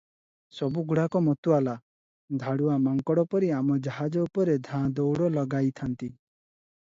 ସବୁଗୁଡ଼ାକ ମତୁଆଲା, ଧାଡ଼ୁଆ ମାଙ୍କଡ ପରି ଆମ ଜାହାଜ ଉପରେ ଧାଁ ଦଉଡ଼ ଲଗାଇଥାନ୍ତି ।